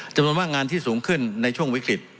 จำนวนว่างานที่สูงขึ้นในช่วงวิกฤต